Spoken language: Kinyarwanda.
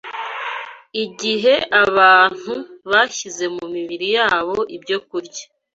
Igihe abantu bashyize mu mibiri yabo ibyokurya